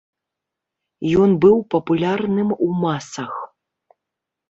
Ён быў папулярным у масах.